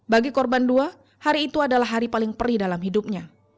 bagi korban dua hari itu adalah hari paling perih dalam hidupnya